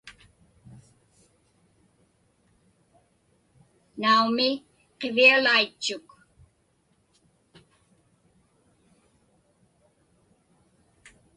Naumi, qivialaitchuk.